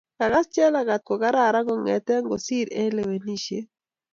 kakas Jelagat ko kararan kongeten kosir eng lewenishiet